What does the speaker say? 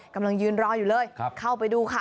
กำลังยืนรออยู่เลยเข้าไปดูค่ะ